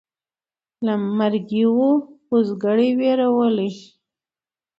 له مرګي یې وو اوزګړی وېرولی